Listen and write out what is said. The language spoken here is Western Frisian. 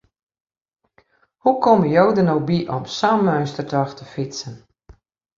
Hoe komme jo der no by om sa'n meunstertocht te fytsen?